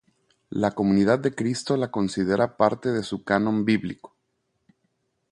La Comunidad de Cristo la considera parte de su canon bíblico.